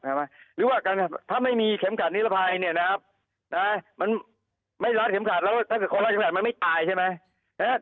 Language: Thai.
หรือว่าถ้าไม่มีเข็มขัดนิรภัยเนี่ยนะครับนะมันไม่รัดเข็มขัดแล้วถ้าเกิดคนรัดเข็มขัดมันไม่ตายใช่ไหม